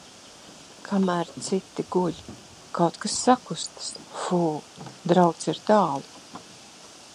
Kamēr citi guļ. Kaut kas sakustas! Fū... Drauds ir tālu.